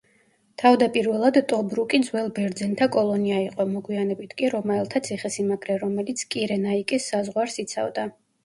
თავდაპირველად ტობრუკი ძველ ბერძენთა კოლონია იყო, მოგვიანებით კი რომაელთა ციხესიმაგრე, რომელიც კირენაიკის საზღვარს იცავდა.